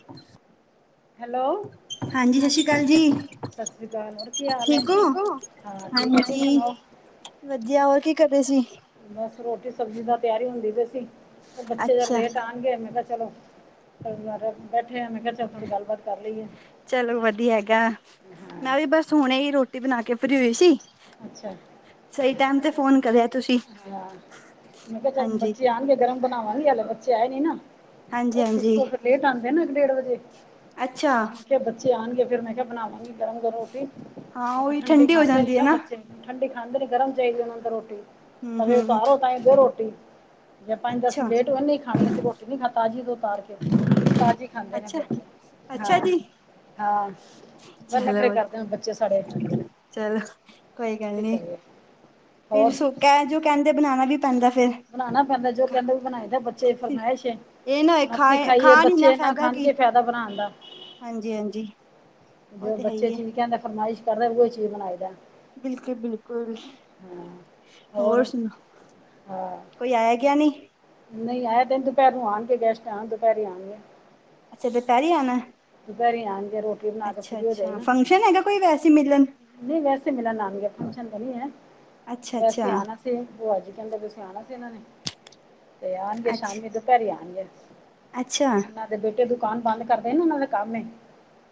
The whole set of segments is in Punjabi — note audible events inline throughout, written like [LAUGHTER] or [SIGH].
[INAUDIBLE] ਹੈਲੋ। ਸਤਿ ਸ਼੍ਰੀ ਹਾਂਜੀ, ਅਕਾਲ ਸਸ਼ੀਕਾਲ ਜੀ। ਸਤ ਸ਼੍ਰੀ ਅਕਾਲ, ਹੋਰ ਕੀ ਹਾਲ ਏ, ਠੀਕ ਹੋ? ਹਾਂ ਠੀਕ ਆ, ਤਸੀ ਹਾਂਜੀ ਸੁਣਾਓ? ਵਧੀਆ, ਹੋਰ ਕੀ ਕਰਦੇ ਸੀ? ਬਸ ਰੋਟੀ ਸਬਜ਼ੀ ਦੀ, ਤਿਆਰੀ ਹੁੰਦੀ ਪਈ ਸੀ, ਓ ਬੱਚੇ ਜਰਾ ਅੱਛਾ ਲੇਟ ਆਣਗੇ, ਮੈਂ ਕਿਹਾ ਚਲੋ ਪਰਿਵਾਰ ਨਾਲ ਬੈਠੇ ਆ। ਮੈਂ ਕਿਹਾ ਚਲ ਥੋੜੀ ਗੱਲਬਾਤ ਕਰ ਲਈਏ। ਚਲੋ ਵਧੀਆ ਹੈਗਾ, ਹਾਂ ਮੈਂ ਵੀ ਬਸ ਹੁਣੇ ਹੀ, ਰੋਟੀ ਬਣਾ ਕੇ ਫ੍ਰੀ ਹੋਈ ਸੀ। ਅੱਛਾ। ਸਹੀ ਟਾਈਮ ਤੇ ਫੋਨ ਕਰਿਆ ਤੁਸੀਂ ਅੱਛਾ, ਮੈਂ ਕਿਹਾ ਚੱਲ, ਹਾਂਜੀ ਬੱਚੇ ਆਉਣਗੇ ਤੇ ਗਰਮ ਬਣਾਵਾਂਗੇ, ਹੱਲੇ ਬੱਚੇ ਆਏ ਨੀ ਨਾ। ਹਾਂਜੀ ਓਫਿਸ ਹਾਂਜੀ ਤੋਂ ਫ਼ੇਰ ਲੇਟ ਆਉਂਦੇ ਨੇ ਨਾ। ਇੱਕ, ਡੇਢ ਵਜੇ। ਅੱਛਾ ਮੈਂ ਕਿਹਾ ਬੱਚੇ ਆਉਣਗੇ, ਫੇਰ ਮੈਂ ਕਿਹਾ ਬਣਾਵਾਂਗਗੀ ਗਰਮ- ਗਰਮ। ਰੋਟੀ। ਹਾਂ ਉਹੀ ਠੰਡੀ ਹੋ ਖਾਂਦੇ ਨੀ ਜਾਂਦੀ ਹੈ ਨਾ ਬੱਚੇ, ਠੰਡੀ ਖਾਂਦੇ ਨੀ। ਗਰਮ ਚਾਹੀਦੀ ਉਨਾਂ ਨੂੰ ਰੋਟੀ। ਹਮ ਤਵੇ ਹਮ ਉਤਾਰੋ, ਤਾਂ ਹੀ ਦਿਓ ਰੋਟੀ। ਜਾਂ ਪੰਜ, ਦਸ ਮਿੰਟ ਅੱਛਾ ਲੇਟ [UNINTELLIGIBLE] ਨਹੀਂ ਖਾਣੀ ਅਸੀਂ ਰੋਟੀ, ਨੀ ਖਾ ਤਾਜੀ ਦੋ ਉਤਰ ਕੇ। ਤਾਜ਼ੀ ਖਾਂਦੇ ਨੇ, ਅੱਛਾ ਬੱਚੇ, ਅੱਛਾ ਹਾਂ। ਜੀ ਹਾਂ। ਵ ਚਲੋ ਨਖਰੇ ਕਰਦੇ, ਹੁਣ ਬੱਚੇ ਸਾਡੇ। ਚਲੋ ਕੋਈ ਗੱਲ ਕੀ ਨੀ, ਕਰੀਏ ਫੇਰ ਹੋਰ ਸੋ ਕਹਿ ਜੋ ਕਹਿੰਦੇ ਬਣਾਉਣਾ ਵੀ ਪੈਂਦਾ ਫੇਰ। ਬਣਾਉਣਾ ਪੈਂਦਾ, ਜੋ ਕਹਿੰਦੇ ਓਵੀ ਬਣਾਈਦਾ। ਬੱਚੇਦੀ ਫਰਮਾਇਸ਼ ਏ। ਇਹ ਨਾ ਹੋਏ ਖਾ ਅੱਸੀ ਖਾ ਖਾਈਏ, ਨੀ ਬੱਚੇ ਨਾ ਖਾਣ, ਕਿ ਫਾਇਦਾ ਬਨਾਣ ਦਾ? ਹਾਂਜੀ-ਹਾਂਜੀ। ਜੋ ਬੱਚੇ ਚੀਜ਼ ਕਹਿੰਦੇ, ਫਰਮਾਇਸ਼ ਕਰਦੇ, ਉਹੀ ਚੀਜ਼ ਬਣਾਈਦਾ। ਬਿਲਕੁਲ-ਬਿਲਕੁਲ, ਹਾਂ ਹੋਰ ਸੁਣਾਓ? ਹਾਂ ਕੋਈ ਆਇਆ- ਗਿਆ ਨਹੀਂ? ਨਹੀਂ ਆਏ ਤੇ ਨੀ, ਦੁਪਹਿਰ ਨੂੰ ਆਣਗੇ, ਗੈਸਟ ਆਣ ਦੁਪਹਿਰੇ ਆਣਗੇ। ਅੱਛਾ, ਦੁਪਹਿਰੀ ਆਣਾ? ਦੋਪਹਿਰੀ ਆਣਗੇ, ਰੋਟੀ ਬਣਾ ਕੇ ਫਰੀ ਹੋ ਜਾਏ ਅੱਛਾ-ਅੱਛਾ, ਨਾ ਫੰਕਸ਼ਨ ਹੈਗਾ ਕੋਈ? ਵੈਸੇ ਮਿਲਣ ਨਹੀਂ ਵੈਸੇ ਮਿਲਣ ਆਣਗੇ, ਫੰਕਸ਼ਨ ਤੇ ਨਹੀਂ ਐ। ਅੱਛਾ-ਅੱਛਾ। ਤੇ ਭੂਆਜੀ ਕਹਿੰਦੇ ਪਏ ਸੀ, ਆਣਾ ਸੀ ਇਹਨਾਂ ਨੇ ਤੇ ਆਣਗੇ ਅੱਛ ਸ਼ਾਮੀ, ਦੁਪਹਿਰੇ ਆਣਗੇ। ਅੱਛਾ ਇਨ੍ਹਾਂ ਦੇ ਬੇਟੇ ਦੁਕਾਨ ਬੰਦ ਕਰਦੇ ਨੇ ਨਾ, ਉਹਨਾਂ ਦੇ ਕੰਮ ਏ।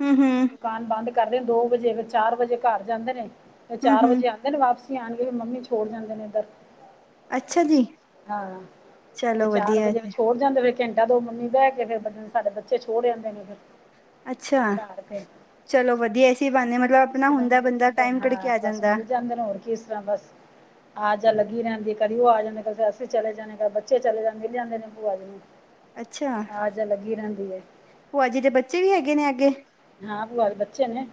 ਹੂੰ ਹੂੰ। ਦੁਕਾਨ ਬੰਦ ਕਰਦੇ ਦੋ ਵਜੇ, ਫ਼ਿਰ ਚਾਰ ਵਜੇ ਘਰ ਜਾਂਦੇ ਨੇ। ਫਿਰ ਹੂੰ ਚਾਰ ਹੂੰ ਵਜੇ ਆਂਦੇ ਦਿਨ ਵਾਪਸੀ ਆਉਣਗੇ ਮੰਮੀ ਛੋੜ ਜਾਂਦੇ ਨੇ ਇੱਧਰ ਅੱਛਾ ਜੀ ਹਾਂ ਤੇ ਚਲੋ ਚਾਰ ਵਧੀਆ ਵਜੇ ਵੀ ਤੇ ਛੋੜ [INAUDIBLE] ਫਿਰ ਘੰਟਾ ਦੋ ਮੰਮੀ ਬਹਿ ਕੇ ਫਿਰ ਸਾਡੇ ਬੱਚੇ ਛੋੜ ਜਾਂਦੇ ਨੇ ਅੱਛਾ! ਘਰ ਫਿਰ ਚਲੋ ਵਧੀਆ, ਐ ਇਸੀ ਬਹਾਨੇ ਮਤਲਬ ਆਪਣਾ ਰਿਸ਼ਤੇਦਾਰ ਹੁੰਦਾ ਮਿਲ ਬੰਦਾ ਜਾਂਦੇ ਨੇ ਟਾਈਮ ਕੱਢਕੇ ਹਾਂ ਆ ਬਸ ਜਾਂਦਾ ਮਿਲ ਜਾਂਦੇ ਨੇ ਹੋਰ ਕਿਸ ਤਰ੍ਹਾਂ ਬਸ। ਆ ਜਾਂ ਲੱਗੀ ਰਹਿੰਦੀ ਹੈ। ਕਦੀ ਉਹ ਆ ਜਾਂਦੇ ਕਦੇ ਫਿਰ ਅਸੀਂ ਚਲੇ ਜਾਂਦੇ। ਕਦੇ ਬੱਚੇ ਚਲੇ ਜਾਂਦੇ ਮਿਲ ਜਾਂਦੇ ਨੇ ਭੂਆ ਜੀ। [UNINTELLIGIBLE] ਅੱਛਾ ਆ ਜਾ ਲੱਗੀ ਰਹਿੰਦੀ ਹੈ ਭੂਆ ਜੀ ਦੇ ਬੱਚੇ ਵੀ ਹੈਗੇ ਨੇ ਅੱਗੇ ਹਾਂ ਭੂਆ ਦੇ ਬੱਚੇ ਨੇ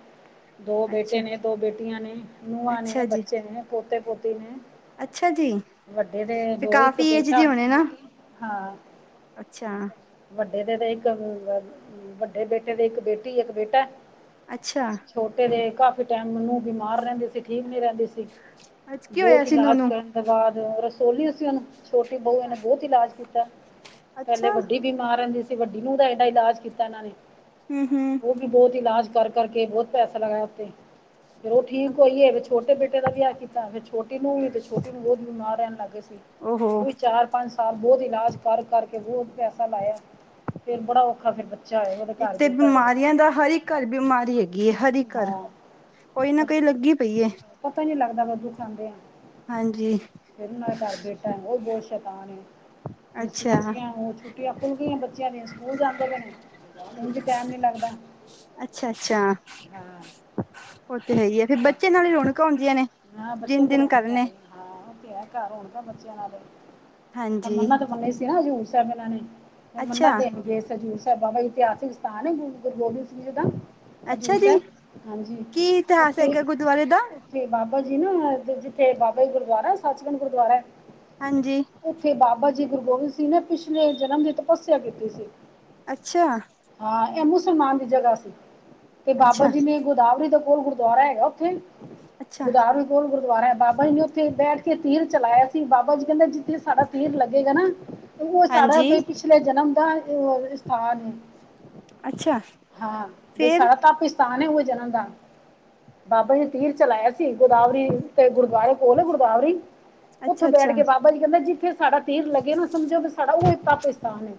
ਦੋ ਬੇਟੇ ਅੱਛਾ ਨੇ ਦੋ ਬੇਟੀਆਂ ਨੇ ਨੂੰਹਾਂ ਨੇ ਅੱਛਾ ਜੀ ਬੱਚੇ ਨੇ ਪੋਤੇ ਪੋਤੀ ਨੇ ਅੱਛਾ ਜੀ ਵੱਡੇ ਦੇ ਫਿਰ ਦੋ ਇੱਕ ਕਾਫ਼ੀ ਏਜ ਬੇਟਾ ਦੇ ਹੋਣੇ ਇੱਕ ਨਾ ਬੇਟੀ ਹਾਂ ਅੱਛਾ ਵੱਡੇ ਦੇ ਤੇ ਇੱਕ ਵੱਡੇ ਬੇਟੇ ਦੇ ਇੱਕ ਬੇਟੀ ਇੱਕ ਬੇਟਾ ਅੱਛਾ ਛੋਟੇ ਦੇ ਕਾਫੀ ਟਾਈਮ ਨੂੰਹ ਬਿਮਾਰ ਰਹਿੰਦੀ ਸੀ ਠੀਕ ਨੀ ਰਹਿੰਦੀ ਸੀ ਅੱਜ ਕੀ ਹੋਇਆ ਬਹੁਤ ਸੀ ਇਲਾਜ ਨੂੰਨੂੰ ਕਰਨ ਬਾਅਦ ਰਸੋਲੀਆ ਸੀ ਉਹਨੂੰ ਛੋਟੀ ਬਹੁੂਆ ਨੇ ਬਹੁਤ ਇਲਾਜ ਕੀਤਾ ਪਹਿਲੇ ਅੱਛਾ ਵੱਡੀ ਬਿਮਾਰ ਰਹਿੰਦੀ ਸੀ ਵੱਡੀ ਨੂੰਹ ਦਾ ਏਡਾ ਇਲਾਜ ਕੀਤਾ ਇਹਨਾਂ ਨੇ ਹੂੰ ਹੂੰ ਉਹ ਵੀ ਬਹੁਤ ਇਲਾਜ ਕਰ ਕਰਕੇ ਬਹੁਤ ਪੈਸਾ ਲਗਾਇਆ ਉਤੇ ਫੇਰ ਉਹ ਠੀਕ ਹੋਈਏ ਫਿਰ ਛੋਟੇ ਬੇਟੇ ਦਾ ਵਿਆਹ ਕੀਤਾ। ਫੇਰ ਛੋਟੀ ਨੂੰਹ ਵੀ ਤੇ ਛੋਟੀ ਨੂੰਹ ਵੀ ਬਹੁਤ ਬਿਮਾਰ ਰਹਿਣ ਲੱਗ ਗਏ ਸੀ। ਓਹੋ ਉਹ ਵੀ ਚਾਰ ਪੰਜ ਸਾਲ ਬਹੁਤ ਇਲਾਜ ਕਰ ਕਰਕੇ ਬਹੁਤ ਪੈਸਾ ਲਾਇਆ ਫੇਰ ਬੜਾ ਔਖਾ ਫਿਰ ਆਇਆ ਉਹਦੇ ਇੱਕ ਘਰ ਤੇ ਬੇਟਾ ਆਇਆ ਬਿਮਾਰੀਆਂ ਦਾ ਹਰ ਇੱਕ ਘਰ ਬਿਮਾਰੀ ਹੈਗੀ ਹੈ ਹਰ ਇੱਕ ਘਰ ਹਾਂ ਕੋਈ ਨਾ ਕੋਈ ਬਸ ਲੱਗੀ ਪਈ ਏ। ਪਤਾ ਹੀ ਨਹੀਂ ਲੱਗਦਾ ਵੈਜੀਜ ਖਾਂਦੇ ਆ ਹਾਂਜੀ ਫਿਰ ਨਾ ਡਰਦੇ ਟਾਈਮ ਉਹ ਬਹੁਤ ਸ਼ੈਤਾਨ ਏ। ਅੱਛਾ ਛੁੱਟੀਆ ਹੁਣ ਛੁਟੀਆਂ ਖੁੱਲ ਗਈਆਂ ਬੱਚਿਆਂ ਦੀਆਂ ਸਕੂਲ ਜਾਂਦੇ ਪਏ ਨੇ। ਉੰਝ ਟਾਈਮ ਨਹੀਂ ਲਗਦਾ। ਅੱਛਾ-ਅੱਛਾ ਉਹ ਤੇ ਹੈ ਹੀ ਹੈ ਫਿਰ ਹੋਰ ਬੱਚੇ ਨਾਲ ਹੀ ਰੌਣਕਾ ਹੁੰਦੀਆਂ ਨੇ ਹਾਂ ਦਿਨ ਬੱਚਿਆਂ ਨੂੰ ਤਾਂ ਦਿਨ ਰੌਣਕ ਹੈ ਕਰਨੇ। ਹੀ ਹਾਂ ਉਹ ਤੇ ਹੈ ਘਰ ਰੌਣਕਾ ਬੱਚਿਆਂ ਨਾਲ ਏ ਅ ਹਾਂਜੀ ਮੰਨਤ ਤੇ ਮੰਨੀ ਸੀ ਨਾ ਹਜੂਰ ਸਭਨਾਂ ਲਈ ਇਹਨਾਂ ਨੇ ਹੁਣ ਮੰਨਾ ਅੱਛਾ ਦੇਨ ਗਏ ਸੀ ਹਜੂਰ ਸਾਹਿਬ ਬਾਬਾ ਇਤਿਹਾਸਿਕ ਸਥਾਨ ਏ ਗੁਰੂ ਗੁਰੂ ਗੋਬਿੰਦ ਸਿੰਘ ਜੀ ਦਾ ਹਜੂਰ ਅੱਛਾ ਜੀ ਸਾਹਿਬ ਹਾਂਜੀ। ਕੀ ਇਤਿਹਾਸ ਓਥੇ ਹੈਗਾ ਗੁਰਦੁਆਰੇ ਦਾ ਤੇ ਬਾਬਾ ਜੀ ਨਾ ਜਿੱਥੇ ਬਾਬਾ ਜੀ ਗੁਰਦੁਆਰਾ ਸੱਚਖੰਡ ਗੁਰਦਆਰਾ। ਹਾਂਜੀ ਉੱਥੇ ਬਾਬਾ ਜੀ ਗੁਰੂ ਗੋਬਿੰਦ ਸਿੰਘ ਨੇ ਪਿਛਲੇ ਜਨਮ ਚ ਤਪੱਸਿਆ ਕੀਤੀ ਸੀ। ਅੱਛਾ। ਹਾਂ ਇਹ ਮੁਸਲਮਾਨ ਦੀ ਜਗ੍ਹਾ ਸੀ ਤੇ ਬਾਬਾ ਅੱਛਾ ਜੀ ਨੇ ਗੋਦਾਵਰੀ ਦੇ ਕੋਲ ਗੁਰ ਗੁਰਦੁਆਰਾ ਹੈਗਾ ਉੱਥੇ ਅੱਛਾ ਗੁਦਾਵਰੀ ਕੋਲ ਗੁਰਦੁਆਰਾ ਹੈ। ਬਾਬਾ ਜੀ ਨੇ ਉੱਥੇ ਬੈਠ ਕੇ ਤੀਰ ਚਲਾਇਆ ਸੀ। ਬਾਬਾ ਜੀ ਕਹਿੰਦੇ ਜਿੱਥੇ ਸਾਡਾ ਤੀਰ ਲੱਗੇਗਾ ਨਾ। ਉਹ ਸਾਡਾ ਹਾਂਜੀ ਬ ਪਿਛਲੇ ਜਨਮ ਦਾ ਉਹ ਸਥਾਨ ਏ। ਅੱਛਾ ਹਾਂ ਬੀ ਫੇਰ ਸਾਡਾ ਟੱਪੀ ਸਥਾਨ ਹੈ ਉਹ ਜਨਮ ਦਾ ਬਾਬਾ ਜੀ ਨੇ ਤੀਰ ਚਲਾਇਆ ਸੀ। ਗੋਦਾਵਰੀ ਤੇ ਗੁਰਦੁਆਰੇ ਕੋਲ ਗੋਦਾਵਰੀ ਉੱਥੇ ਅੱਛਾ ਅੱਛਾ ਬੈਠ ਕੇ ਬਾਬਾ ਜੀ ਕਹਿੰਦੇ। ਜਿੱਥੇ ਸਾਡਾ ਤੀਰ ਲੱਗੇ ਨਾ ਓਹਨੂੰ ਸਮਝੋ ਵੀ ਸਾਡਾ ਉਹ ਹੀ ਤਪਸਥਾਨ ਏ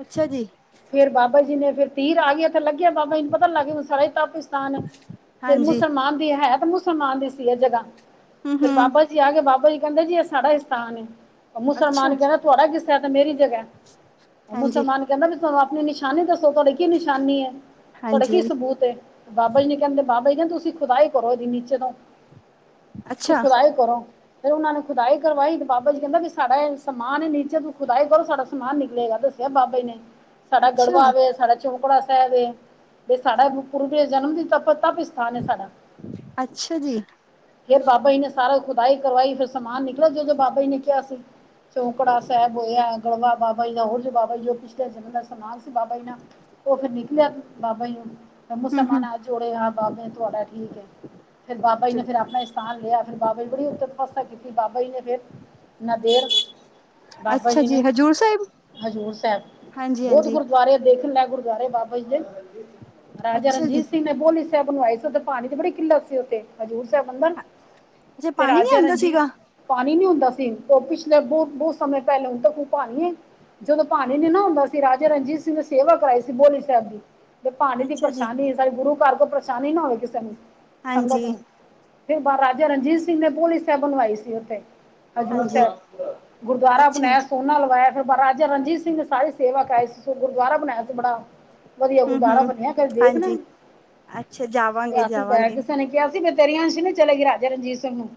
ਅੱਛਾ ਜੀ ਫੇਰ ਬਾਬਾ ਜੀ ਨੇ ਫਿਰ ਤੀਰ ਆ ਗਿਆ ਤੇ ਲੱਗਿਆ ਬਾਬਾ ਜੀ ਨੂੰ ਪਤਾ ਲੱਗ ਗਿਆ ਸਾਡਾ ਤਪਿਸ ਥਾਨ ਫਿਰ ਹਾਂਜੀ ਮੁਸਲਮਾਨ ਦੀ ਹੈ ਤਾਂ ਮੁਸਲਮਾਨ ਦੀ ਸੀ ਇਹ ਜਗ੍ਹਾ ਹਮ ਫੇਰ ਹਮ ਬਾਬਾ ਆ ਗਏ, ਬਾਬਾ ਜੀ ਕਹਿੰਦੇ ਜੀ ਇਹ ਸਾਡਾ ਇਸਥਾਨ ਏ ਅੱਛਾ ਮੁਸਲਮਾਨ ਕਹਿੰਦਾ ਤੁਹਾਡਾ ਕਿਸ ਤਰ੍ਹਾਂ ਇਹ ਮੇਰੀ ਜਗ੍ਹਾ ਐ ਉਹ ਹਾਂਜੀ ਮੁਸਲਮਾਨ ਕਹਿੰਦਾ ਵੀ ਤੁਹਾਨੂੰ ਆਪਣੀ ਨਿਸ਼ਾਨੀ ਦੱਸੋ ਤੁਹਾਡੀੇ ਕੀ ਨਿਸ਼ਾਨੀ ਏ? ਤੁਹਾਡਾ ਹਾਂਜੀ ਕੀ ਸਬੂਤ ਏ? ਬਾਬਾ ਜੀ ਨੇ ਕਹਿੰਦੇ, ਬਾਬਾ ਜੀ ਕਹਿੰਦੇ ਤੁਸੀਂ ਨਾ ਖੁਦਾਈ ਕਰੋ ਇਹਦੀ ਨੀਚੇ ਤੋਂ ਅੱਛਾ ਸੁਖ ਵਾਹੀ ਹੀ ਕਰੋ ਫੇਿਰ ਉਹਨਾ ਨੇ ਖੁਦਾਈ ਕਰਵਾਈ। ਬਾਬਾ ਜੀ ਕਹਿੰਦਾ ਵੀ ਸਾਡਾ ਇਹ ਸਮਾਨ ਨੀਚੇ ਤੂੰ ਖੁਦਾਈ ਕਰੋ ਸਾਡਾ ਸਮਾਨ ਨਿਕਲੇਗਾ। ਦ ਬਾਬੇ ਨੇ, ਸਾਡਾ ਅੱਛਾ ਗੜਵਾਵੇ। ਸਾਡਾ ਚੌਕੜਾ ਸਾਹਿਬ ਏ, ਤੇ ਸਾਡਾ ਗੁਰੂ ਦੇ ਜਨਮ ਤ ਤਪ ਸਥਾਨ ਸਾਡਾ। ਅੱਛਾ ਜੀ। ਫਿਰ ਬਾਬਾ ਜੀ ਨੇ ਸਾਰਾ ਖੁਦਾਈ ਕਰਵਾਈ ਫਿਰ ਸਮਾਨ ਨਿਕਲ ਜੋ ਜੋ ਬਾਬਾ ਜੀ ਨੇ ਕਿਹਾ ਸੀ। ਚੌਕੜਾ ਸਾਹਿਬ ਹੋਇਆ, ਗੜਵਾ ਬਾਬਾ ਜੀ ਦਾ ਹੋਰ ਬਾਬਾ ਜੀ ਪਿਛਲੇ ਜਨਮ ਦਾ ਸਮਾਨ ਸੀ ਬਾਬਾ ਜੀ ਦਾ ਉਹ ਫੇਰ ਨਿਕਲਿਆ ਬਾਬਾ ਨੂੰ, ਹਮ ਮੁਸਮਾਨ ਹੱਥ ਜੋੜੇ ਆਹ ਬਾਬੇ ਤੁਹਾਡਾ ਠੀਕ ਐ। ਫਿਰ ਬਾਬ ਜੀ ਹਮ ਨੇ ਫਿਰ ਆਪਣਾ ਸਥਾਨ ਲਿਆ ਫਿਰ ਬਾਬਾ ਜੀ ਬੜੀ ਤਪੱਸਿਆ ਕੀਤੀ ਬਾਬਾ ਜੀ ਨੇ ਫਿਰ ਨੰਦੇੜ। ਅੱਛਾ ਜੀ, ਹਜ਼ੂਰ ਸਾਹਿਬ। ਹਜ਼ੂਰ ਸਾਹਿਬ, ਹਾਂਜੀ ਬੋਤ ਗੁਰ ਹਾਂਜੀ ਗੁਰਦੁਆਰੇ ਦੇਖਣ ਲੈ, ਗੁਰਦੁਆਰੇ ਬਾਬਾ ਜੀ ਦੇ, ਰਾਜਾ ਅੱਛਾ ਜੀ ਰਣਜੀਤ ਸਿੰਘ ਨੇ ਬੋਲੀ ਬਣਵਾਏ ਸੀ, ਉਥੇ ਪਾਣੀ ਦੀ ਬੜੀ ਕਿੱਲਤ ਸੀ ਉੱਥੇ। ਹਜ਼ੂਰ ਸਾਹਿਬ ਬੰਦਨ ਅੱਛਾ ਤੇ ਪਾਣੀ ਨੀ ਰਾਜੇ ਆਉਂਦਾ ਰਣਜੀਤ ਸੀਗਾ ਸਿੰਘ ਪਾਣੀ ਨੀ ਹੁੰਦਾ ਸੀ। ਉਹ ਪਿਛਲੇ ਬਹੁਤ ਬਹੁਤ ਸਮੇਂ ਪਹਿਲੇ ਹੁਣ ਤੱਕ ਉਹ ਪਾਣੀ ਜਦੋਂ ਪਾਾਣੀ ਨੀ ਨਾ ਹੁੰਦਾ ਸੀ। ਰਾਜਾ ਰਣਜੀਤ ਸਿੰਘ ਨੇ ਸੇਵਾ ਕਰਾਈ ਬੋਲੀ ਸਾਹਿਬ ਦੀ ਤੇ ਪਾਣੀ ਦੀ ਅੱਛਾ ਜੀ ਪਰੇਸ਼ਾਨੀ ਸਾਡੇ ਗੁਰੂ ਘਰ ਕੋਲ ਪਰੇਸ਼ਾਨੀ ਨਾ ਹੋਵੇ ਕਿਸੇ ਨੂੰ ਸੰਗਤ ਹਾਂਜੀ ਨੂੰ ਫਿਰ ਰਾਜਾ ਰਣਜੀਤ ਸਿੰਘ ਨੇ ਭੋਲੀ ਸਾਹਿਬ ਬਣਵਾਈ ਸੀ ਉੱਥੇ। ਹਜ਼ੂਰ ਹਾਂਜੀ ਸਾਹਿਬ, ਗੁਰਦੁਆਰਾ ਅੱਛਾ ਬਣਾਇਆ, ਸੋਨਾ ਲਵਾਇਆ ਫਿਰ ਰਾਜਾ ਰਣਜੀਤ ਸਿੰਘ ਨੇ ਸਾਰੀ ਸੇਵਾ ਕਰਾਈ ਸੀ। ਗੁਰਦੁਆਰਾ ਬਣਾਇਆ ਸੀ ਬੜਾ ਵਧੀਆ ਹੂੰ ਗੁਰਦੁਆਰਾ ਹੂੰ ਬੰਨਿਆ, ਕਦੇ ਦੇਖ ਨਾ ਹਾਂਜੀ ਅੱਛਾ ਜਾਵਾਂਗੇ [UNINTELLIGIBLE] ਜਾਵਾਂਗੇ ਕਿਸੇ ਨੇ ਕਿਹਾ ਬ ਤੇਰੀਆਂਸ਼ ਨੂੰ ਚਲੇ ਗਈ ਰਾਜੇ ਰਣਜੀਤ ਸਿੰਘ ਨੂੰ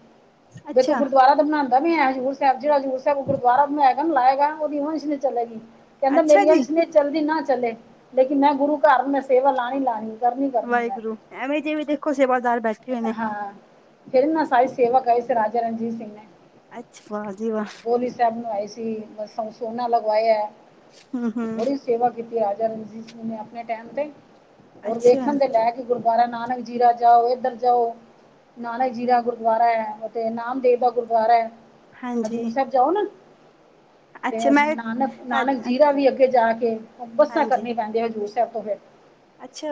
ਬੇ ਤੂੰ ਅੱਛਾ ਗੁਰਦੁਆਰਾ ਤੇ ਬਣਾਂਦਾ ਪਿਆ ਹਜ਼ੂਰ ਜਿਹੜਾ ਹਜ਼ੂਰ ਸਾਹਿਬ ਗੁਰਦੁਆਰਾ ਬਣਾਏਗਾ ਲਾਏਗਾ। ਉਹਦੀ ਵੰਸ਼ ਨੀ ਚਲੇਗੀ ਕਹਿੰਦਾ ਅੱਛਾ ਮੇਰੀ ਜੀ ਅੰਸ਼ ਨੀ ਚਲਦੀ ਨਾ ਚੱਲੇ ਲੇਕਿਨ ਮੈਂ ਗੁਰੂ ਘਰ ਮੈਂ ਸੇਵਾ ਲਾਣੀ ਲਾਣੀ ਐ। ਵਾਹਿਗੁਰੂ, ਐਵੇਂ ਜੇ ਵੀ ਦੇਖੋ ਸੇਵਾਦਾਰ ਬੈਠੇ ਹੋਏ ਨੇ। ਹਾਂ ਫਿਰ ਨਾ ਸਾਰੀ ਸੇਵਾ ਕਰਾਈ ਸੀ ਰਾਜਾ ਰਣਜੀਤ ਸਿੰਘ ਨੇ, ਅੱਛਾ ਵਾਹ ਜੀ ਵਾਹ ਬੋਲੀ ਸਾਹਿਬ ਨੂੰ ਬਣਵਾਈ ਸੀ। ਮ ਸੋਨਾ ਲਗਵਾਇਆ ਹੂੰ ਹੂੰ ਬੜੀ ਸੇਵਾ ਕੀਤੀ ਰਾਜਾ ਰਣਜੀਤ ਸਿੰਘ ਨੇ ਆਪਣੇ ਟਾਈਮ ਤੇ, ਰੋਰ ਅੱਛਾ ਵੇਖਣ ਦੇ ਲੈਕ ਗੁਰਦੁਆਰਾ ਨਾਨਕ ਜੀਰਾ ਜਾਓ, ਇੱਧਰ ਜਾਓ। ਨਾਨਕ ਜੀਰਾ ਦਾ ਗੁਰਦੁਆਰਾ ਐ ਓਥੇ ਨਾਮਦੇਵ ਦਾ ਗੁਰਦੁਆਰਾ ਐ। ਹਾਂਜੀ ਹਜ਼ੂਰ ਸਾਹਿਬ ਜਾਓ ਨਾ। ਤੇ ਅੱਛਾ ਮੈਂ ਨਾਨਕ ਨਾਨਕ ਹਾਂਜੀ ਜੀਰਾ ਵੀ ਅੱਗੇ ਜਾ ਕੇ, ਬੱਸਾਂ ਹਾਂਜੀ, ਕਰਨੀਆਂ ਪੈਂਦੀਆਂ ਹਜ਼ੂਰ ਸਾਹਿਬ ਤੋਂ ਫਿਰ ਅੱਛਾ।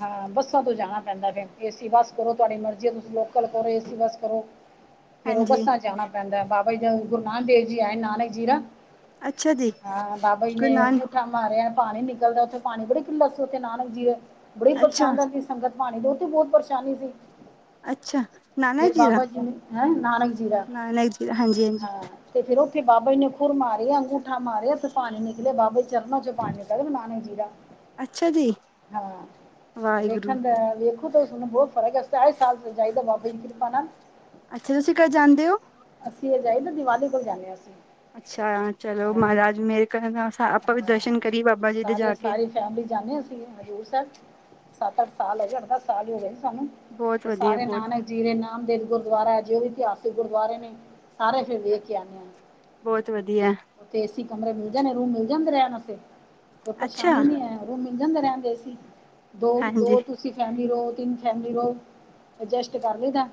ਹਾਂ ਬੱਸਾਂ ਤੋਂ ਜਾਣਾ ਪੈਂਦਾ ਫੇਰ ਏਸੀ ਬੱਸ ਕਰੋ ਤੁਹਾਡੀ ਮਰਜ਼ੀ ਐ, ਤੁਸੀਂ ਲੋਕਲ ਕਰੋ, ਏਸੀ ਬੱਸ ਕਰੋ। [INAUDIBLE] ਫੇਰ ਉਹ ਬੱਸਾਂ ਚ ਜਾਣਾ ਪੈਂਦਾ, ਬਾਬਾ ਜੀ ਗੁਰੂ ਨਾਨਕ ਦੇਵ ਜੀ ਆਏ ਨਾਨਕ ਜੀਰਾ ਨਾ ਅੱਛਾ ਜੀ ਹਾਂ ਬਾਬਾ ਜੀ ਨੇ ਗੁਰੂ ਨਾਨਕ ਅੰਗੂਠਾ ਮਾਰਿਆ ਪਾਣੀ ਨਿਕਲਦਾ ਉੱਥੇ, ਪਾਣੀ ਬੜੀ ਕਿੱਲਤ ਸੀ, ਉਥੇ ਨਾਨਕ ਜੀਰੇ ਬੜੀ ਅੱਛਾ ਪਰੇਸ਼ਾਨ ਸੰਗਤ ਪਾਣੀ ਦੇ ਉੱਥੇ ਬਹੁਤ ਪਰੇਸ਼ਾਨੀ ਸੀ ਅੱਛਾ ਫਿਰ ਨਾਨਕ ਦਾ ਬਾਬਾ ਜੀ ਨੇ, ਹੈ ਨਾਨਕ ਜੀਰਾ ਰਾ ਨਾਨਕ ਜੀ ਦਾ ਹਾਂਜੀ ਹਾਂਜੀ ਹਾਂ ਤੇ ਫਿਰ ਉਹਥੇ ਬਾਬਾ ਜੀ ਨੇ ੁਰ ਮਾਰਿਆ ਅੰਗੂਠਾ ਮਾਰਿਆ ਉਥੇ ਪਾਣੀ ਨਿਕਲਿਆ ਬਾਬੇ ਚਰਨਾਂ ਚੋਂ ਪਾਣੀ ਨਿਕਲ ਨਾਨਕ ਜੀਰਾ ਅੱਛਾ ਜੀ ਹਾਂ, ਵਾਹਿਗੁਰੂ ਵੇਖਣ ਦਾ ਵੇਖ ਉਸ ਨੂੰ ਬਹੁਤ ਫਰਕ ਐ, ਹਰ ਸਾਲ ਜਾਇਦਾ ਬਾਬੇ ਦੀ ਕਿਰਪਾ ਨਾਲ ਅੱਛਾ, ਤੁਸੀਂ ਕੱਦ ਜਾਂਦੇ ਹੋ। ਅਸੀਂ ਇਹ ਜਾਈ ਦਾ ਦੀਵਾਲੀ ਕੋਲ ਜਾਂਦੇ ਹਾਂ ਅਸੀਂ ਅੱਛਾ ਚਲੋ ਹਾਂ ਮਹਾਰਾਜ ਮੇਰੇ ਘਰ ਆਪਾਂ ਵੀ ਦਰਸ਼ਨ ਕਰੀਏ ਬਾਬਾ ਜੀ ਦੇ ਜਾ ਕੇ ਫੈਮਲੀ ਜਾਂਦੇ ਹ ਅਸੀ ਹਜ਼ੂਰ ਸਾਹਿਬ ਸੱਤ ਅੱਠ ਸਾਲ ਹੋ ਗਏ ਅੱਠ ਦਸ ਸਾਲ ਹੀ ਹੋ ਗਏ ਸੀ ਸਾਨੂੰ ਬਹੁਤ ਤੇ ਵਧੀਆ ਸਾਰੇ ਬਹੁਤ ਨਾਨ ਜੀਰੇ ਨਾਮ ਦੇਵ ਗੁਰਦੁਆਰਾ ਹੈ ਜੋ ਵੀ ਇਤਿਹਾਸਿਕ ਗੁਰਦੁਆਰੇ ਨੇ ਸਾਰੇ ਫਿਰ ਵੇਖ ਕੇ ਆਉਂਦੇ ਹ ਬਹੁਤ ਵਧੀਆ। ਉੱਥੇ ਏ ਸੀ ਕਮਰੇ ਮਿਲ ਜਾਣੇ, ਰੂਮ ਮਿਲ ਜਾਂਦੇ ਐ, ਰਹਿਣ ਵਸਤੇ ਕੋਈ ਅੱਛਾ ਪਰੇਸ਼ਾਨੀ ਨੀ ਐ। ਮਿਲ ਜਾਂਦੇ ਰਹਿੰਦੇ ਏਸੀ ਦੋ ਦੋ ਹਾਂਜੀ ਤੁ ਤੁਸੀਂ ਫੈਮ ਰਹੋ ਤਿੰਨ ਫੈਮਲੀ ਰਹੋ, ਅਜਸਟ ਕਰ ਲਈਦਾ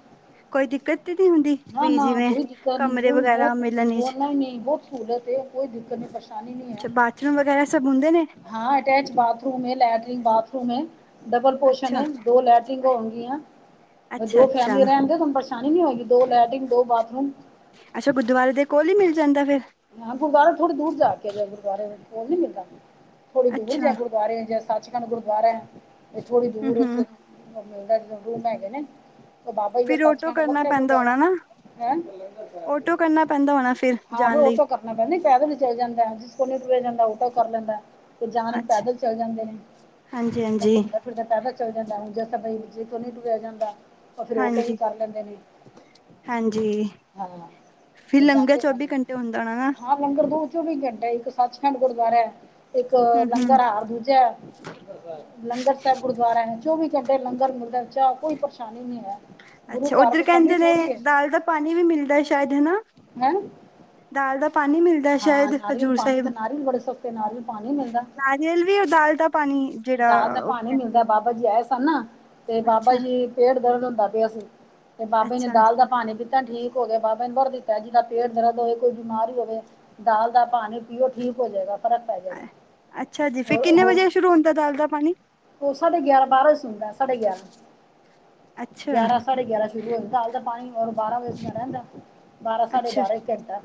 ਕੋਈ ਦਿੱਕਤ ਤੇ ਨਹੀਂ ਹੁੰਦੀ ਨਾ ਬਈ ਨਾ ਜਿਵੇਂ ਕੋਈ ਦਿੱਕਤ ਨੀ, ਕਮਰੇ ਕੋਈ ਵਗੈਰਾ ਬਹੁਤ ਮਿਲਣ ਬੋ ਵਿਚ ਨਈ ਨਈ ਹੀ ਨਹੀਂ ਬਹੁਤ ਸਹੂਲਤ ' ਕੋਈ ਦਿੱਕਤ ਨਹੀਂ ਪਰੇਸ਼ਾਨੀ ਨਹੀਂ ਏ। ਅੱਛਾ ਬਾਥਰੂਮ ਵਗੈਰਾ ਸਭ ਹੁੰਦੇ ਨੇ? ਹਾਂ, ਅਟੈਚ ਬਾਥਰੂਮ ਐ, ਲੈਟਰੀਨ ਬਾਥਰੂਮ ਐ। ਡਬਲ ਪੋਰਸ਼ਨ ਅੱਛਾ ਐ, ਦੋ ਲੈਟਰਿੰਗ ਹੋਣਗੀਆਂ। ਅੱਛਾ ਦੋ ਅੱਛਾ ਫੈਮਿਲੀ ਰਹਿਣਗੇ, ਤੁਹਾਨੂੰ ਪਰੇਸ਼ਾਨੀ ਨੀ ਹੋਏਗੀ ਦੋ ਲੈਟਿਰਨ ਦੋ ਬਾਥਰੂਮ। ਅੱਛਾ, ਗੁਰਦੁਆਰੇ ਦੇ ਕੋਲ ਹੀ ਮਿਲ ਜਾਂਦਾ ਫਿਰ? ਹਾਂ, ਗੁਰਦੁਆਰਾ ਥੋੜ੍ਹੀ ਦੂਰ ਜਾ ਕੇ ਜੇ, ਗੁਰਦਆਰੇ ਕੋਲ ਨੀ ਮਿਲਦਾ ਥੋੜੀ ਦੂਰ ਅੱਛਾ ਜਾ ਗੁਰ ਦੁਆਰੇ ਜਾਂ ਸੱਚਖੰਡ ਗੁਰਦੁਆਰੇ ਐ, ਇਹ ਥੋੜੀ ਹੂੰ ਦੂਰ ਹੂੰ ਉੱਥੇ ਉਹ ਮਿਲਦਾ ਜਦੋਂ ਰੂਮ ਹੈਗੇ ਨੇ, ਉਹ ਬਾਬਾ ਜੀ ਦਾ ਫਿਰ ਆਟੋ ਸਚਖੰਡ ਕਰਨਾ ਵੱਖਰਾ ਪੈਂਦਾ ਗੁਰਦੁਆਰਾ ਹੋਣਾ ਨਾ ਹੈਂ ਆਟੋ ਕਰਨਾ ਪੈਂਦਾ ਹੋਣਾ ਫਿਰ ਹਾ ਫਰ ਜਾਣ ਉਹ ਲਈ ਕਰਨਾ ਪੈਂ, ਨੀ ਪੈਦਲ ਹੀ ਚੱਲ ਜਾਂਦਾ ਐ, ਜਿਸ ਕੋ ਤੁਰਿਆ ਨੀ ਜਾਂਦਾ, ਉਹ ਤਾਂ ਕਰ ਲੈਂਦਾ। ਤੇ ਜਾਣ ਅੱਛਾ ਪੈਦਲ ਚਲੇ ਜਾਂਦੇ ਨੇ, ਹਾਂਜੀ ਹਾਂਜੀ ਘੁੰਮਦਾ ਫੇਰ ਤਾਂ ਪੈਦਲ ਚਲ ਜਾਂਦਾ ਆ, ਹੁਣ ਜਿਸ ਤਾ ਬਈ ਤੋਂ ਨਹੀਂ ਤੁਰਿਆ ਜਾਂਦਾ, ਤਾਂ ਫੇਰ ਓਟੋ ਵੀ ਹਾਂਜੀ ਕਰ ਲੈਂਦੇ ਨੇ। ਹਾਂਜੀ ਹਾਂ ਫੇ ਫਿਰ ਲੰਗਰ ਜਾਂਦੇ ਚੌਵੀ ਰਹਿੰਦੇ। ਘੰਟੇ ਹੁੰਦਾ ਹੁਣਾ ਨਾ। ਹਾਂ, ਲੰਗਰ ਤੋ ਚੌਵੀ ਘੰਟੇ, ਇੱਕ ਸੱਚਖੰਡ ਗੁਰਦੁਆਰਾ ਆ, ਇੱਕ ਹੂੰ ਹੂੰ ਲੰਗਰ ਹਾਰ ਦੂਜਾ ਐ। ਲੰਗਰ ਸਾਹਿਬ ਗੁਰਦੁਆਰਾ ਐ, ਚੌਵੀ ਘੰਟੇ ਲੰਗਰ ਮਿਲਦਾ ਐ ਚਾ ਕੋਈ ਪਰੇਸ਼ਾਨੀ ਨੀ ਏ। ਅੱਛਾ ਉੱਧਰ ਕਹਿੰਦੇ ਨੇ ਦਾਲ ਦਾ ਪਾਣੀ ਵੀ ਮਿਲਦਾ ਸ਼ਾਇਦ ਹਨਾ? ਹੈਂ। ਦਾਲ ਦਾ ਪਾਣੀ ਮਿਲ ਹਾਂ ਨਾਰੀਅਲ ਪਾਣੀ ਤੇ ਨਾਰੀਅਲ ਬੜੇ ਸਸਤੇ ਨਾਰੀਅਲ ਪਾਣੀ ਮਿਲਦਾ। ਜਲ ਵੀ ਏ ਦਾਲ ਦਾ ਪਾਣੀ ਦਾਲ ਦਾ ਜਿਹੜਾ ਉਹ ਪਾਣੀ ਕਹਿੰਦੇ ਮਿਲਦਾ, ਬਾਬਾ ਜੀ ਆਏ ਸਨ ਨਾ, ਤੇ ਬਾਬਾ ਅੱਛਾ ਜੀ ਪੇਟ ਦਰਦ ਹੁੰਦਾ ਪਿਆ ਸੀ, ਤੇ ਬਾਬੇ ਨੇ ਅੱਛਾ ਦਾਲ ਦਾ ਪਾਣੀ ਪੀ ਤਾ ਠੀਕ ਹੋਗਿਆ ਬਾਬਾ ਨੇ ਬਰ ਦਿੱਤਾ ਐ, ਜੀ ਦਾ ਪੇਟ ਦਰਦ ਹੋਵੇ ਕੋਈ ਬਿਮਾਰੀ ਹੋਵੇ। ਦਾਲ ਦਾ ਪਾਣੀ ਪੀਓ ਠੀਕ ਹੋ ਜਾਏਗਾ। ਫਰਕ ਪੈ ਜਾਏਗਾ ਅੱਛਾ ਜੀ, ਫੇਰ ਔਰ ਕਿੰਨੇ ਉਹ ਵਜੇ ਸ਼ੁਰੂ ਹੁੰਦਾ ਦਾਲ ਦਾ ਪਾਣੀ? ਉਹ ਸਾਂਢੇ ਗਿਆਰਾਂ ਬਾਰਾਂ ਸੁਣਦਾ ਸਾਂਢੇ ਗਿਆਰਾਂ। ਅੱਛਾ ਗਿਆਰਾਂ ਸਾਢੇ ਗਿਆਰਾਂ ਸ਼ੁਰੂ ਹੋ ਜਾਂਦਾ, ਹਲੇ ਤਾਂ ਪਾਣੀ ਹੁਣ ਬਾਰਾਂ ਵਜੇ ਤਇਹੋ ਰਹਿੰਦਾ। ਬਾਰਾਂ ਸਾਂਢੇ ਬਾਰਾਂ ਇੱਕ ਘੰਟਾ।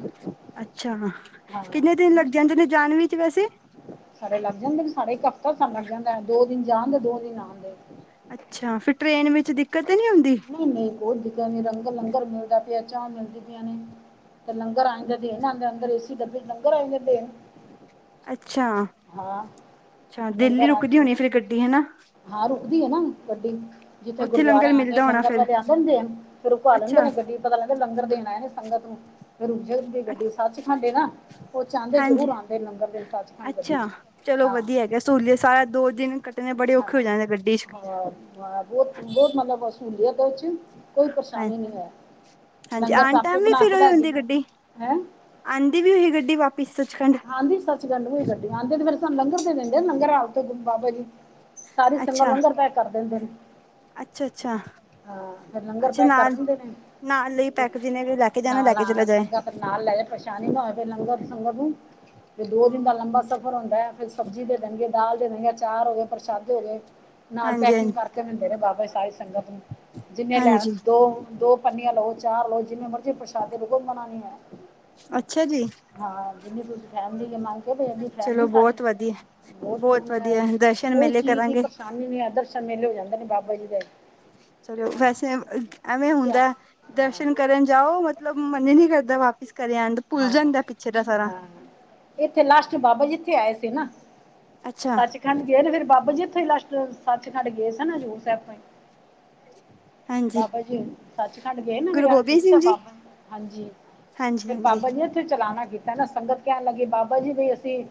ਹਾਂ ਹਾਂ ਕਿੰਨੇਂ ਜਦੇ ਨੇ ਜਾਨ ਵਿਚ ਵੈਸੇ। ਸਾਰੇ ਲੱਗ ਜਾਂਦੇ ਨੇ, ਸਾਰੇ ਇੱਕ ਹਫ਼ਤਾ ਸਾਨੂੰ ਲੱਗ ਜਾਂਦਾ ਦੋ ਦਿਨ ਜਾਣਦੇ ਦੋ ਦਿਨ ਆਦੇ। ਅੱਛਾ, ਫਿਰ ਟ੍ਰਰੇਨ ਵਿੱਚ ਦਿੱਕਤ ਤੇ ਨਹੀਂ ਹੁੰਦੀ? ਨਹੀਂ ਨਹੀਂ ਕੋਈ ਦਿੱਤ ਨੀ ਰੰਗ ਲੰਗਰ ਮਿਲਦਾ ਪਿਆ, ਚਾਹ ਮਿਲਦੀ ਪਿਆਂ ਨੇ। ਤੇ ਲੰਗਰ ਆ ਜਾਂਦੇ ਦੇਣ ਅੰਦਰ ਏ ਸੀ ਦੱਬੇ ਲੰਗਰ ਆਈ ਜਾਂ ਦੇਣ। ਅੱਛਾ ਹਾਂ ਅੱਛਾ, ਦਿੱਲੀ ਲੰਗਰ ਆ ਰੁਕਦੀ ਜਾਂਦਾ ਹੋਣੀ ਫੇਰ ਗੱਡੀ ਹਨਾ? ਹਾਂ, ਰੁਕਦੀ ਐ ਨਾ ਗੱਡੀ, ਜਿੱਥੇ ਉੱਥੇ ਲੰਗਰ ਗੁਰਦੁਆਰਿਆਂ ਮਿਲਦਾ ਹੋਣਾ ਲੰਗਰ ਫਿਰ ਵਾਲੇ ਆਉਂਦੇ ਨੇ ਦੇਣ ਫਿਰ ਉਹ ਭਾ ਲੈਂਦੇ ਅੱਛਾ ਨੇ ਗੱਡੀ ਪਤਾ ਲੈਂਦੇ ਲੰਗਰ ਦੇਣ ਆਏ ਨੇ ਸੰਗਤ ਨੂੰ। ਫੇਰ ਰੁਕ ਦੀ ਗੱਡੀ ਸੱਚਖੰਡ ਨਾ, ਉਹ ਚ ਆਦੇ ਜ਼ਰੂਰ ਆਉਂਦੇ ਲੰਗਰ ਦੇ ਸੱਚਖੰਡ ਗੱਡੀ ਚ। ਚਲੋਂ ਹਾਂ ਵਧੀਆ ਹੈਗਾ, ਸਹੂਲੀਅਤ ਸਾਰਾ ਦੋ ਦਿਨ ਕੱਟਣੇ ਬੜੇ ਹਾਂ ਔਖੇ ਹੋ ਜਾਂਦੇ ਗੱਡੀ ਚ। ਹਾਂ ਹਾਂ ਬਹੁਤ ਬਹੁਤ ਮਤਲਬ ਸਹੂਲੀਅਤ ਵਿਚ, ਕੋਈ ਹਾਂ ਪਰੇਸ਼ਾਨੀ ਨਹੀਂ ਹੈ। ਹਾਂਜੀ ਲੰਗਰ ਤਾਂ ਆਉਣ ਆਪੇ ਬਣਾ ਕੇ ਲੈ ਜਾਈਦਾ ਹੈਂ। ਆਂਦੀ ਵੀ ਓਹੀ ਗੱਡੀ ਵਾਪਿਸ ਸੱਚਖੰਡ? ਈ [UNINTELLIGIBLE] ਗੱਡੀ ਆਂਦੇ ਤੇ ਫਿਰ ਸਾਨੂੰੰ ਲੰਗਰ ਤੇ ਦਿੰਦੇ ਲੰਗਰ ਉੱਥੇ ਬਾਬਾ ਜੀ। ਸਾਰੀ ਸੰਗਤ ਅੱਛਾ ਲੰਗਰ ਪੈਕ ਕਰ ਦਿੰਦੇ ਨੇ। ਅੱਛਾ ਅੱਛਾ ਹਾਂ ਫਿਰ ਲੰਗਰ ਅੱਛਾ ਪੈਕ ਕਰ ਨਾਲ ਦਿੰਦੇ ਨਾਲ ਲਈ ਨੇ ਪੈਕ ਜਿਹਨੇ ਵੀ ਲੈ ਕੇ ਜਾਣਾ ਲੈ ਨਾਲਾ ਕੇ ਚਲਾ ਜਾਏ ਸੰਗਾ ਨਾਲ ਲੈ ਜਾ ਪਰੇਸ਼ਾਨੀ ਨਾ ਹੋਵੇ ਫਿਰ ਲੰਗਰ ਸੁਗਰ ਨੂੰ ਫਿਰ ਦੋ ਦਿਨ ਦਾ ਲੰਬਾ ਸਫ਼ਰ ਹੁੰਦਾ ਹੈ ਫਿਰ [UNINTELLIGIBLE] ਸਬਜ਼ੀ ਦੇ ਦੇਣਗੇ ਦਾਲ ਦੇ ਦੇਣਗੇ ਅਚਾਰ ਹੋ ਗਏ ਪ੍ਰਸ਼ਾਦੇ ਹੋ ਗਏ ਨਾਲ ਹਾਂਜੀ ਪੈਕਿੰਗ ਹਾਂਜੀ ਕਰਕੇ ਦਿੰਦੇ ਨੇ ਬਾਬਾ ਜ ਸਾਰੀ ਸੰਗਤ ਨੂੰ ਜਿੰਨੇ ਲੈਣਾ ਹਾਂਜੀ ਦੋ ਦੋ ਪੰਨੀਆਂ ਲਓ ਚਾਹ ਲਓ ਜਿਵੇੇ ਮਰਜ਼ੀ ਪ੍ਰਸ਼ਾਦੇ ਲੳ ਮਨਾ ਨੀ ਹੈ ਅੱਛਾ ਜੀ ਹਾਂ ਜਿੰਨੀ ਕੁਛ ਫੈਮਲੀ ਮੰਨ ਕੇ ਐਡੀ ਫੈਮਲੀ ਚਲੋ ਸਾਰੀ ਬਹੁਤ ਵਧੀਆ ਬਹੁਤ ਵਧੀਆ ਐ ਦਰਸ਼ਨ ਕੋਈ ਮੇਲੇ ਚੀਜ਼ ਦੀ ਕਰਾਂਗੇ ਪਰੇਸ਼ਾਨੀ ਨੀ ਐ ਦਰਸ਼ਨ ਮੇਲੇ ਹੋ ਜਾਂਦੇ ਨੇ ਬਾਬਾ ਜੀ ਦੇ ਚਲੋ ਵੈਸੇ ਐਵੇਂ ਇਤਿਹਾਸ ਹੁੰਦੈ ਹਾਂ ਦਰਸ਼ਨ ਕਰਨ ਜਾਓ ਮਤਲਬ ਮਨ ਹੀ ਨੀ ਕਰਦਾ ਵਾਪਿਸ ਕਰੇ ਆਉਣ ਦਾ ਭੁੱਲ ਹਾਂ ਜਾਂਦਾ ਪਿੱਛੇ ਦਾ ਸਾਰਾ ਹਾਂ ਇੱਥੇ ਲਾਸਟ ਬਾਬਾ ਇਥੇ ਆਏ ਸੀ ਨਾ ਅੱਛਾ ਸੱਚ ਖੰਡ ਗਏ ਨੇ ਫਿਰ ਬਾਬਾ ਜੀ ਉੱਥੋਂ ਲਾਸਟ ਸੱਚਖੰਡ ਗਏ ਸਨ ਹਜ਼ੂਰ ਸਾਹਿਬ ਤੋਂ ਈ ਹਾਂਜੀ ਬਾਬਾ ਜੀ ਸੱਚਖੰਡ ਗਏ ਨਾ ਗੁਰੂ ਵਿੇ ਗੋਬਿੰਦ ਜੂਸ ਹੈ ਸਿੰਘ ਜੀ ਬਾਬਾ [UNINTELLIGIBLE] ਹਾਂਜੀ ਹਾਂਜੀ ਫਿਰ ਹਾਂ ਬਾਬਾ ਜੀ ਇੱਥੇ ਚਲਾਣਾ ਕੀਤਾ ਨਾ ਸੰਗਤ ਕਹਿਣ ਲੱਗੀ ਬਾਬਾ ਜੀ ਬਈ ਅਸੀਂ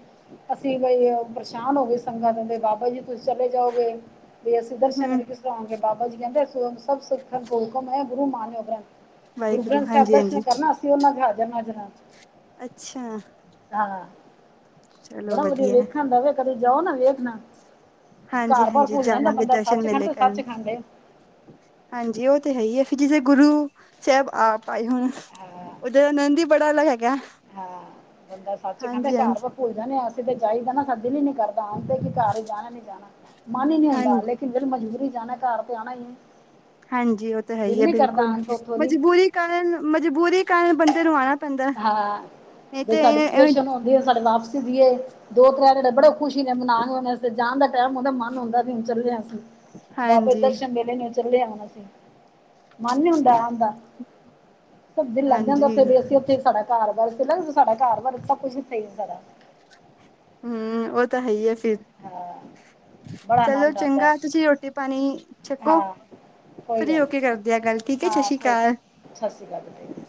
ਅਸੀਂ ਬਈ ਪਰੇਸ਼ਾਨ ਹੋ ਗੇ ਸੰਗਾਂ ਕਦੇ ਬਾਬਾ ਜੀ ਤੁਸੀਂ ਚਲੇ ਜਾਓਗੇ ਵੀ ਅਸੀਂ ਹੂੰ ਦਰਸ਼ਨ ਹੂੰ [UNINTELLIGIBLE] ਕਿਸ ਤਰ੍ਹਾਂ ਹੋਣਗੇ ਬਾਬਾ ਜੀ ਕਹਿੰਦੇ ਸਭ ਸਿੱਖਨ ਕੋ ਹੁਕਮ ਹੈ ਗੁਰੂ ਮਾਨਿਓ ਗੁਰੂ ਵਾਹਿਗੁਰੂ ਗ੍ਰੰਥ ਸਾਹਿਬ ਹਾਂਜੀ-ਹਾਂਜੀ ਦਰਸ਼ਨ ਕਰਨਾ ਉਹਨਾਂ ਦੇ ਹਾਜ਼ਰ ਨਾਜ਼ਰ ਆਂ ਅੱਛਾ ਹਾਂ ਬੜਾ ਵਧੀਆ ਵੇਖਣ ਦਾ ਵੇ ਕਦੇ ਜਾਓ ਨਾ ਵੇਖਣਾ ਘਰ ਬਾਹਰ ਹਾਂਜੀ-ਹਾਂਜੀ ਭੁੱਲ ਜਾਂਦਾ ਜਾਵਾਂਗੇ ਬੰਦਾ ਦਰਸ਼ਨ ਸੱਚ ਖੰਡ ਮੇਲੇ ਤੇ ਸੱਚ ਕਰਨ ਖੰਡ ਏ ਹਾਂਜੀ ਉਹ ਤਾਂ ਹੈ ਹੀ ਹੈ ਫਿਰ ਜਿੱੇ ਗੁਰੂ ਸਾਹਿਬ ਆਪ ਭਾਈ ਹੁਣ ਹਾਂ ਉਧਰ ਆਨੰਦ ਹੀ ਬੜਾ ਅਲੱਗ ਹੈਗਾ ਹਾਂ ਬੰਦਾ ਸੱਚ ਖਾਂਦੇ ਘਰ ਹਾਂਜੀ-ਹਾਂਜੀ ਵ [UNINTELLIGIBLE] ਭੁੱਲ ਜਾਂ ਨੇ ਅਸੀਂ ਤਾਂ ਜਾਈਦਾ ਨਾ ਸਾ ਦਿਲ ਹੀ ਨੀ ਕਰਦਾ ਆਣ ਤੇ ਕਿ ਘਰ ਹੀ ਜਾਣਾ ਨੀ ਜਾਣਾ ਮਨ ਹੀ ਨਹੀਂ ਹਾਂ ਹੁੰਦਾ ਲੇ ਕਿਦੇ [UNINTELLIGIBLE] ਮਜਦੂੂਰ ਹੀ ਜਾਣਾ ਘਰ ਤੇ ਆਉਣਾ ਈ ਹਾਂਜੀ ਉਹ ਤਾਂ ਹੈ ਹੀ ਹੈ ਬਿਲਕੁਲ ਆਣ ਤੋਂ ਉੱਥੋਂ ਦੀ ਮਜਬੂਰੀ ਕਾਰਨ ਮਜਬੂਰੀ ਕਾਰਨ ਬੰਦੇ ਨੂੰ ਆਣਾ ਪੈਂਦਾ ਹਾਂ ਨਹੀਂ ਜ [UNINTELLIGIBLE] ਤੇ ਸਾਡੀ ਰਜੂਏਸ਼ਨ ਆਦੀ ਸਾਡੇ ਵਾਪਸੀ ਦੀਏ ਦੋ ਤਰ ਜੜੇ [UNINTELLIGIBLE] ਬੜੇ ਖੁਸ਼ੀ ਨੇ ਮਨਾ ਕੇ ਜਾਣ ਦਾ ਟੈਮ ਹੁੰਦਾ ਮਨ ਹੁੰਦਾ ਸੀ ਹੁਣ ਚੱਲਦੇ ਅਸੀਂ ਬਾਬੇ ਹਾਂਜੀ-ਹਾਂਜੀ ਦਰਸ਼ਨ ਵੇਲੇ ਨੂੰ ਚੱਲੇ ਆਂ ਅਸੀ ਮਨ ਨੀ ਹੁੰਦਾ ਆਨ ਦਾ ਸਬ ਦਿਲ ਲੱਗ ਜਾਂਦਾ ਉੱਥੇ ਅਸੀਂ ਉੱਥੇ ਸਾਡਾ ਕਾਰ ਵਾਰ ਥੱਗ ਸਾਡਾ ਕਾਰ ਵਾਰ ਸਭ ਕੁੱਝ ਇੱਥੇ ਹੀ ਸਾਡਾ ਹਮ ਉਹ ਤਾਂ ਹੈ ਹੀ ਹੈ ਫਿਰ ਹਾਂ ਬੜਾ ਚਲੋ ਆਨੰਦ ਆਉਂਦਾ ਹੈ ਚੰਗਾ ਤੁਸੀਂ ਓ ਤੇ ਪਾਣੀ ਛਕੋ ਹਾਂ ਕੋਈ ਫਰੀ ਹੋਕੇ ਕਰਦੇ ਆ ਗੱਲ ਠੀਕ ਹੈ ਸ਼ਸ਼ੀ ਕਾਲ ਸ ਸ਼੍ਰੀ ਕਾਲ ਬੇਟੇ